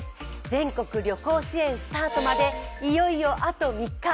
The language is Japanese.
全国旅行支援スタートまでいよいよあと３日。